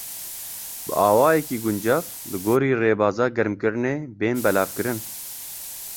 Bi awayekî guncav li gorî rêbaza germkirinê, bên belavkirin.